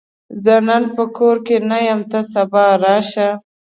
زه نن په کور کې نه یم، ته سبا راشه!